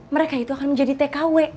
mereka itu akan menjadi tkw